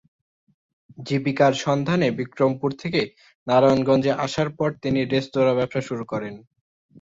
জীবিকার সন্ধানে বিক্রমপুর থেকে নারায়ণগঞ্জে আসার পর তিনি রেস্তোরাঁ ব্যবসা শুরু করেন।